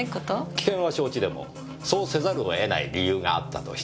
危険は承知でもそうせざるを得ない理由があったとしたら。